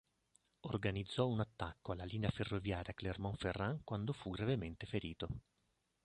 Organizzò un attacco alla linea ferroviaria Clermont-Ferrand, quando fu gravemente ferito.